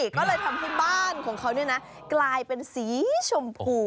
ก็เลยทำให้บ้านของเขากลายเป็นสีชมพู